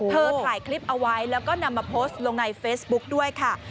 ถ่ายคลิปเอาไว้แล้วก็นำมาโพสต์ลงในเฟซบุ๊กด้วยค่ะ